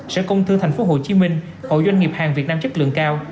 sở công thương tp hcm hội doanh nghiệp hàng việt nam chất lượng cao